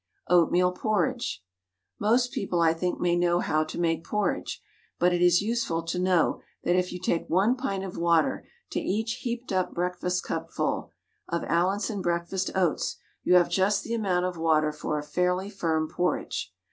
OATMEAL PORRIDGE. Most people, I think, may know how to make porridge; but it is useful to know that if you take 1 pint of water to each heaped up breakfastcupful of Allinson breakfast oats, you have just the amount of water for a fairly firm porridge.